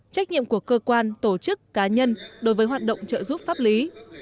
trách nhiệm của cơ quan tổ chức cá nhân đối với hoạt động trợ giúp pháp lý